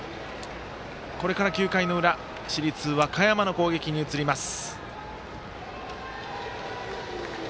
これから９回の裏市立和歌山の攻撃に移ります。